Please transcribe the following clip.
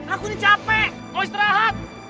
aku ini capek mau istirahat